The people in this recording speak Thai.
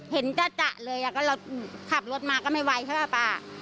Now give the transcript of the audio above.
เห็นก็จะเลยอ่ะก็เราขับรถมาก็ไม่ไหวเพราะว่าป้า